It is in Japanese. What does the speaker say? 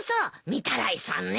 御手洗さんね。